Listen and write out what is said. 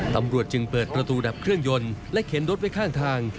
ตำรวจจึงเปิดประตูดับเครื่องยนต์และเข็นรถไว้ข้างทาง